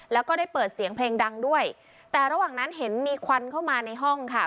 แล้วก็ได้เปิดเสียงเพลงดังด้วยแต่ระหว่างนั้นเห็นมีควันเข้ามาในห้องค่ะ